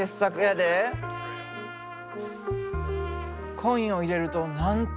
コインを入れるとなんと。